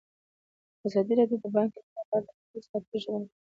ازادي راډیو د بانکي نظام په اړه د حکومتي ستراتیژۍ ارزونه کړې.